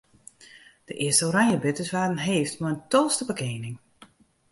De earste oranjebitters waarden heefd mei in toast op 'e kening.